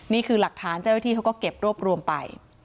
นี่คือหลักฐานที่เขาก็เก็บรวบรวมไป